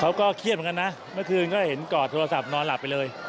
เขาก็เครียดเหมือนกันนะเมื่อคืนก็เห็นกอดโทรศัพท์นอนหลับไปเลย